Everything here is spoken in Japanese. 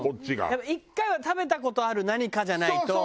やっぱ１回は食べた事ある何かじゃないと。